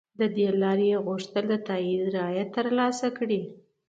له دې لارې څخه یې غوښتل د تایید رایه تر لاسه کړي.